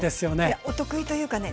いやお得意というかね